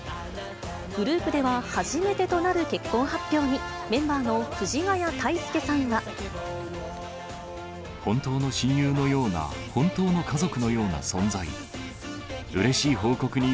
グループでは初めてとなる結婚発表に、本当の親友のような、本当の家族のような存在。